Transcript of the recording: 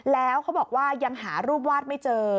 แล้วเขาบอกว่ายังหารูปวาดไม่เจอ